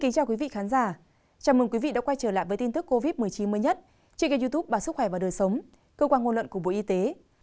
chào mừng quý vị đã quay trở lại với tin tức covid một mươi chín mới nhất trên kênh youtube bà sức khỏe và đời sống cơ quan ngôn luận của bộ y tế